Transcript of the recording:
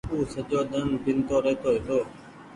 او سجو ۮن پينتو رهيتو هيتو۔